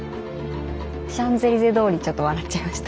シャンゼリゼ通りちょっと笑っちゃいました。